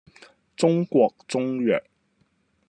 中國中藥